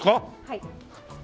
はい。